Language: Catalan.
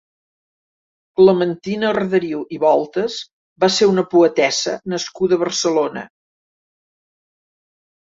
Clementina Arderiu i Voltas va ser una poetessa nascuda a Barcelona.